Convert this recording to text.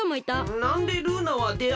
なんでルーナはであったんよ？